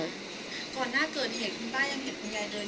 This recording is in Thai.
ก่อนหน้าเกิดเห็นคุณบ้านยังเห็นคุณยายเดินอยู่อย่างนี้หรอครับ